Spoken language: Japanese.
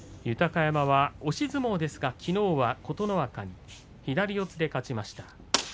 豊山は押し相撲ですがきのうは琴ノ若に左四つで勝ちました。